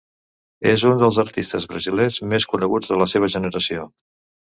És un dels artistes brasilers més coneguts de la seva generació.